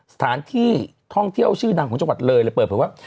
สถานที่ท่องเที่ยวชื่อดังของจังหวัดเลยเลยเปิดเผยว่า